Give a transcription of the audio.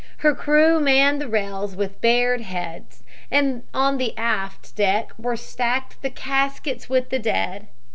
Her crew manned the rails with bared heads, and on the aft deck were stacked the caskets with the dead.